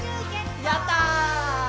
やった！